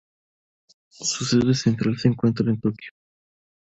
Su sede central se encuentra en Tokio.